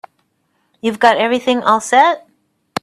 You've got everything all set?